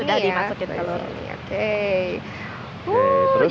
sudah dimasukin ke dalam ini